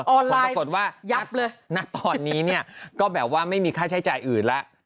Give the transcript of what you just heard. ออนไลน์ยับเลยผมก็คิดว่าณตอนนี้เนี่ยก็แบบว่าไม่มีค่าใช้จ่ายอื่นแล้ว